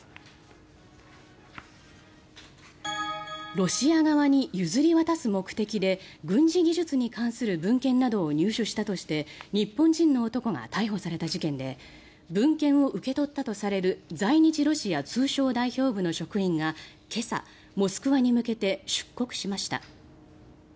ロシア側に譲り渡す目的で軍事技術に関する文献などを入手したとして日本人の男が逮捕された事件で文献を受け取ったとされる在日ロシア通商代表部の職員が今朝、モスクワに向けて出国しました。